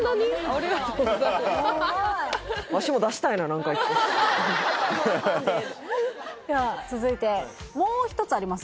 ありがとうございます・うまい何か１個では続いてもう一つあります